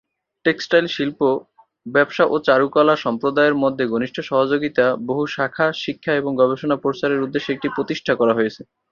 Textile শিল্প, ব্যবসা ও চারুকলা সম্প্রদায়ের মধ্যে ঘনিষ্ঠ সহযোগিতা বহু-শাখা-শিক্ষা এবং গবেষণা প্রচারের উদ্দেশ্যে এটি প্রতিষ্ঠা করা হয়েছে।